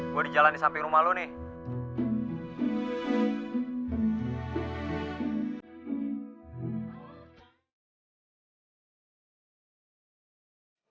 gue di jalan di samping rumah lo nih